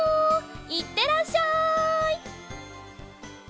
いってらっしゃい！